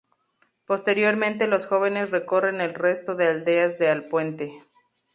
Posteriormente los jóvenes recorren el resto de aldeas de Alpuente.